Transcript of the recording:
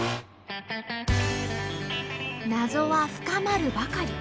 謎は深まるばかり。